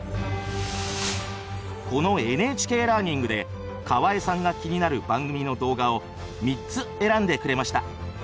この「ＮＨＫラーニング」で河江さんが気になる番組の動画を３つ選んでくれました。